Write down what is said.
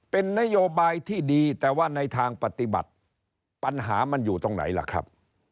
เป็นนโยบายที่ดีแต่ว่าในทางปฏิบัติปัญหามันอยู่ตรงไหนล่ะครับ